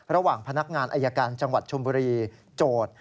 ระหว่างพนักงานอายการจังหวัดชมบุรีโจทย์